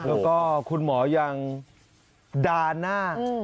แล้วก็คุณหมอยังด่าหน้า